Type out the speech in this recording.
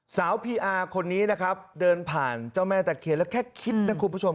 พีอาร์คนนี้นะครับเดินผ่านเจ้าแม่ตะเคียนแล้วแค่คิดนะคุณผู้ชม